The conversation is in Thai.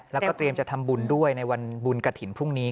แล้วก็เตรียมจะทำบุญด้วยในวันบุญกระถิ่นพรุ่งนี้